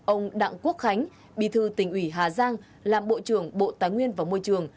ông đặng quốc khánh bí thư tỉnh ủy hà giang làm bộ trưởng bộ tài nguyên và môi trường